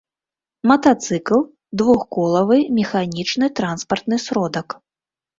матацыкл — двухколавы механiчны транспартны сродак